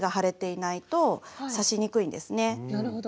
なるほど。